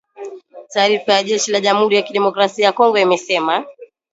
Taarifa ya jeshi la Jamhuri ya Kidemokrasia ya Kongo imesema